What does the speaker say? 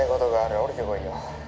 「下りてこいよ」